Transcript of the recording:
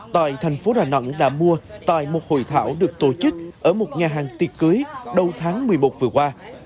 tại thành phố đà nẵng đã mua tại một hội thảo được tổ chức ở một nhà hàng tiệc cưới đầu tháng một mươi một vừa qua